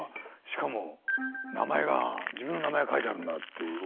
しかも名前が自分の名前が書いてあるんだっていう。